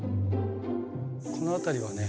この辺りはね